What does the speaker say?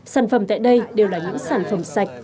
sản phẩm tại đây đều là những sản phẩm sạch